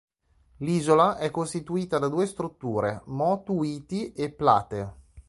L'isola è costituita da due strutture: "Motu Iti" e "Plate".